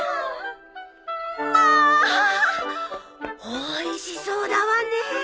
おいしそうだわねえ。